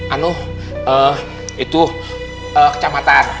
anu itu kecamatan